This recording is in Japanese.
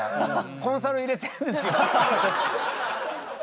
コンサル入れてるんですよって。